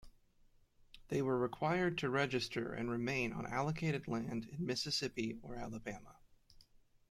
They were required to register and remain on allocated land in Mississippi or Alabama.